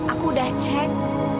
aku udah cek